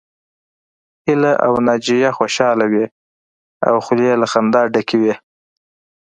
هيله او ناجيه خوشحاله وې او خولې يې له خندا ډکې وې